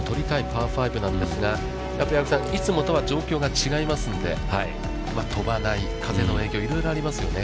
パー５なんですが、やっぱり加瀬さん、いつもとは状況が違いますので、飛ばない、風の影響、いろいろありますよね。